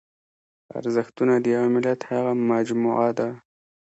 ارزښتونه د یوه ملت هغه مجموعه ده.